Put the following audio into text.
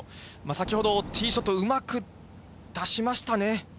先ほどティーショット、うまく出しましたね。